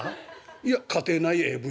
「いや家庭内ＡＶ」。